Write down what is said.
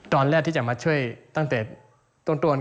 ตอนแรกที่จะมาช่วยตั้งแต่ต้น